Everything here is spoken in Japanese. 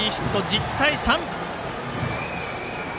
１０対３！